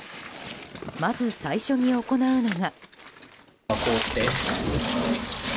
まず最初に行うのが。